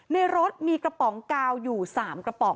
ในรถมีกระป๋องกาวอยู่๓กระป๋อง